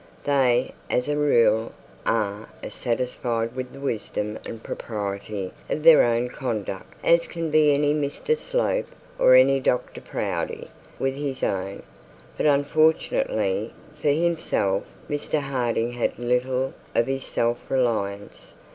They, as a rule, are as satisfied with the wisdom and propriety of their own conduct as can be any Mr Slope, or any Dr Proudie, with his own. But unfortunately for himself, Mr Harding had little of this self reliance.